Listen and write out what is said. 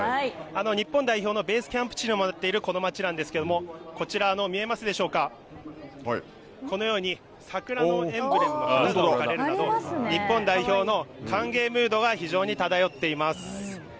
日本代表のベースキャンプ地にもなっているこの街なんですけれども、こちらの見えますでしょうか、このように、桜のエンブレムなど、日本代表の歓迎ムードが非常に漂っています。